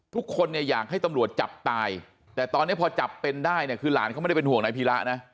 ทุกคนเนี่ยอยากให้ตำรวจจับตายแต่ตอนนี้พอจับเป็นได้เนี่ยคือหลานเขาไม่ได้เป็นห่วงนายพีระนะ